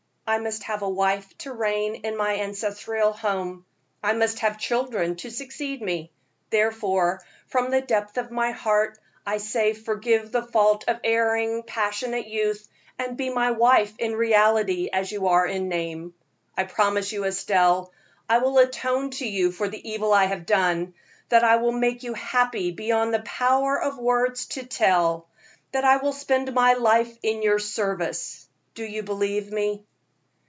I must have a wife to reign in my ancestral home; I must have children to succeed me; therefore, from the depth of my heart, I say forgive the fault of erring, passionate youth, and be my wife in reality as you are in name. I promise you, Estelle, I will atone to you for the evil I have done; that I will make you happy beyond the power of words to tell; that I will spend my life in your service. Do you believe me?"